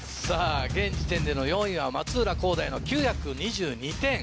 現時点での４位は松浦航大の９２２点。